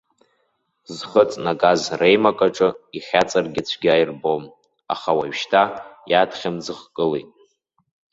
Зхы ҵнагаз реимакаҿы ихьаҵыргьы цәгьа ирбом, аха уажәшьҭа иадхьымӡӷкылеит.